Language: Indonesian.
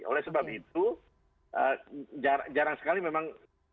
oleh sebab itu jarang sekali memang